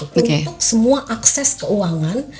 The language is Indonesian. untuk semua akses keuangan